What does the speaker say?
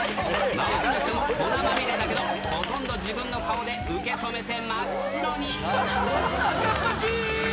周りの人も粉まみれだけど、ほとんど自分の顔で受け止めて真赤っ恥ー！